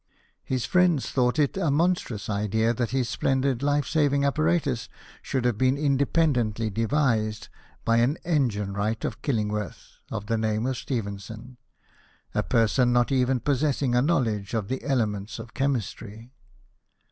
His friends thought it a monstrous idea that his splendid life saving apparatus shouJd have been independently devised by " an sngine wright of Killingworth of the name of Stephenson a person not even possessing a knowledge of the elements of chemistry."